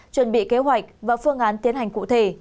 chuẩn bị kế hoạch và phương án tiến hành cụ thể